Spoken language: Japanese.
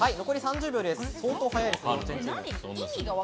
残り３０秒です。